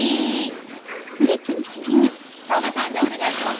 澤部さんじゃあお願いします。